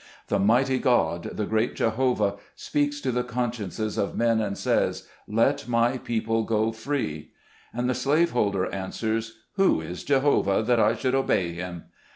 The mighty God, the great Jehovah, speaks to the consciences of men, and says, " Let my people go free!" And the slave holder answers, "Who is Jehovah, that I should obey him